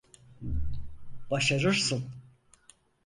Başarırsın.